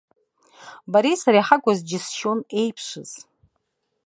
Бареи сареи ҳакәыз џьысшьон еиԥшыз.